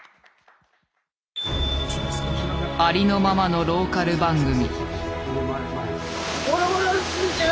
ありのままのローカル番組。